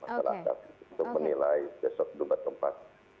masalah tersebut kita menilai besok debat keempat